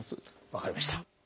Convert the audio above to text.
分かりました。